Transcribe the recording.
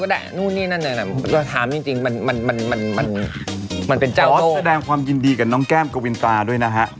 ขอแสดงความยินดีกับน้องแก้มก้าวินตาด้วยนะฮะ